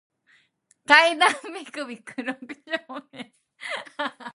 階段ビクビク六丁目